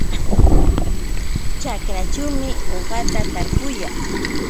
Ćhakraćhuumi uqata tarpuyaa.